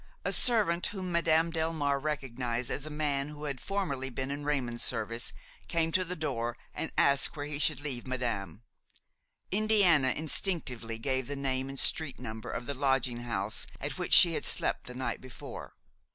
A servant whom Madame Delmare recognized as a man who had formerly been in Raymon's service came to the door and asked where he should leave madame. Indiana instinctively gave the name and street number of the lodging house at which she had slept the night before.